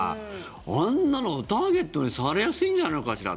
あんなのターゲットにされやすいんじゃないかしら。